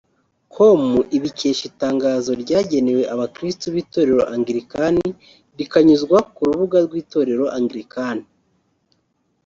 com ibikesha itangazo ryagenewe abakristo b’itorero Angilikani rikanyuzwa ku rubuga rw’itorero Angilikani